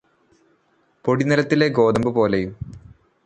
പൊടിനിലത്തിലെ ഗോതമ്പ് പോലെയും